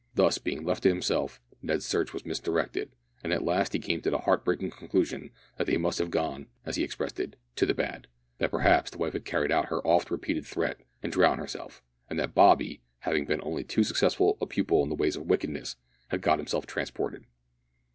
Thus, being left to himself, Ned's search was misdirected, and at last he came to the heart breaking conclusion that they must have gone, as he expressed it, "to the bad;" that perhaps his wife had carried out her oft repeated threat, and drowned herself, and that Bobby, having been only too successful a pupil in the ways of wickedness, had got himself transported.